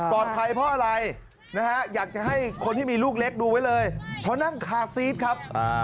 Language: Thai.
เพราะอะไรนะฮะอยากจะให้คนที่มีลูกเล็กดูไว้เลยเพราะนั่งคาซีสครับ